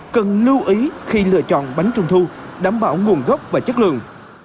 cần lưu ý khi lựa chọn bánh trung thu đảm bảo nguồn gốc và chất lượng